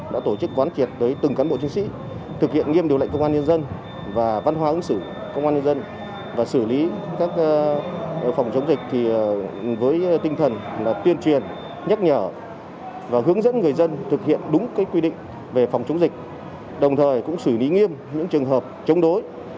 đã tổ chức quán triệt tới từng cán bộ chiến sĩ thực hiện nghiêm điều lệnh công an nhân dân và văn hóa ứng xử công an nhân dân và xử lý các phòng chống dịch với tinh thần tuyên truyền nhắc nhở và hướng dẫn người dân thực hiện đúng quy định về phòng chống dịch đồng thời cũng xử lý nghiêm những trường hợp chống đối